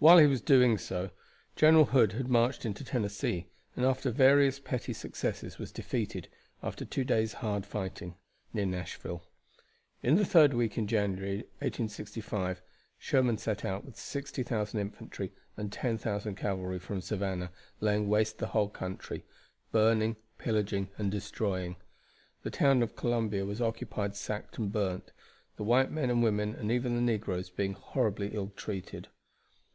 While he was so doing, General Hood had marched into Tennessee, and after various petty successes was defeated, after two days' hard fighting, near Nashville. In the third week in January, 1865, Sherman set out with 60,000 infantry and 10,000 cavalry from Savannah, laying waste the whole country burning, pillaging, and destroying. The town of Columbia was occupied, sacked, and burned, the white men and women and even the negroes being horribly ill treated.